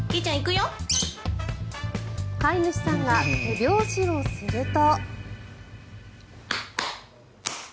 飼い主さんが手拍子をすると。